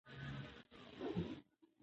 پوشکین د نړۍ لپاره شاعر دی.